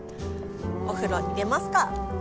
お風呂入れますか！